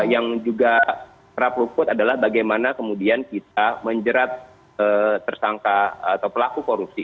yang juga kerap luput adalah bagaimana kemudian kita menjerat tersangka atau pelaku korupsi